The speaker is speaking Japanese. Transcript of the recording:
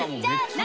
「何？